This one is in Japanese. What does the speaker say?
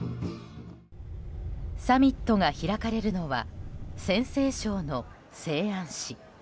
サミットが開かれるのは陝西省の西安市。